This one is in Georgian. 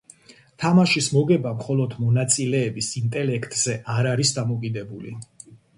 თამაშის მოგება მხოლოდ მონაწილეების ინტელექტზე არ არის დამოკიდებული.